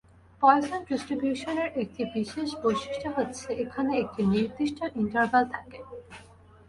Poison distribution এর একটি বিশেষ বৈশিষ্ট্য হচ্ছে এখানে একটি নির্দিষ্ট ইন্টারভ্যাল থাকে।